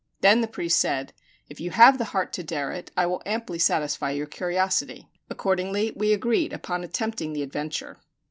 Then the priest said, "If you have the heart to dare it, I will amply satisfy your curiosity." Accordingly we agreed upon attempting the adventure.